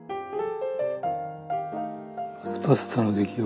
パスタの出来を。